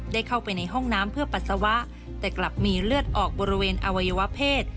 ได้เข้าไปในห้องน้ำเพื่อปัสสาวะแต่กลับมีเลือดออกบริเวณอวัยวะเพศ